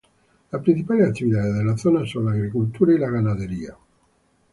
Las principales actividades de la zona son la agricultura y la ganadería.